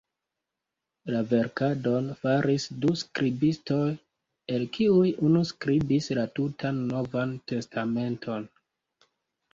La verkadon faris du skribistoj, el kiuj unu skribis la tutan Novan Testamenton.